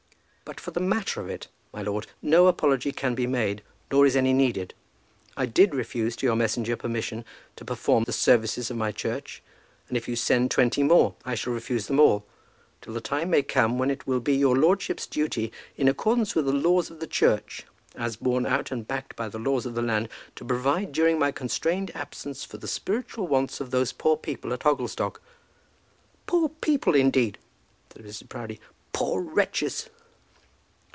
"But for the matter of it, my lord, no apology can be made, nor is any needed. I did refuse to your messenger permission to perform the services of my church, and if you send twenty more, I shall refuse them all, till the time may come when it will be your lordship's duty, in accordance with the laws of the Church, as borne out and backed by the laws of the land, to provide during my constrained absence for the spiritual wants of those poor people at Hogglestock." "Poor people, indeed," said Mrs. Proudie. "Poor wretches!"